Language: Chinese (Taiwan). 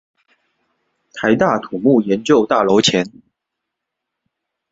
臺大土木研究大樓前